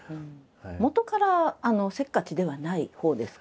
もとからせっかちではないほうですか？